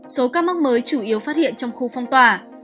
số ca mắc mới chủ yếu phát hiện trong khu phong tỏa